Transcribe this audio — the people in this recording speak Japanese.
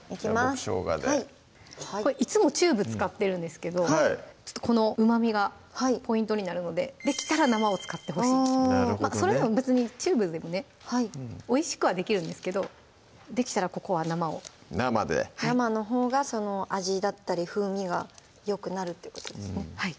僕しょうがでいつもチューブ使ってるんですけどこのうまみがポイントになるのでできたら生を使ってほしいそれでも別にチューブでもねおいしくはできるんですけどできたらここは生を生で生のほうがその味だったり風味がよくなるってことですねはい